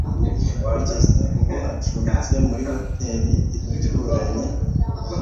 Kugeza ubu, acumbitse muri hoteri ituranye.